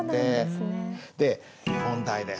で問題です。